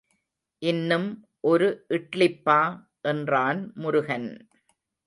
இன்னும் ஒரு இட்லிப்பா என்றான் முருகன்!